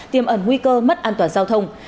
tiêm ẩn nguy cơ mất an toàn giao thông